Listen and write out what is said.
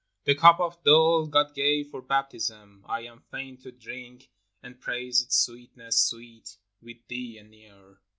The cup of dole God gave for baptism, I am fain to drink, And praise its sweetness, sweet, with thee anear.